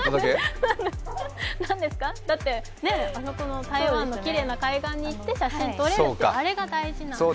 だって、ね、台湾のきれいな海岸に行って写真撮れる、あれが大事なんです。